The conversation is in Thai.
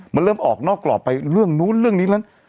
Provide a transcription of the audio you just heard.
มันเริ่มออกนอกกรอบไปเรื่องนู้นเรื่องนี้นั้น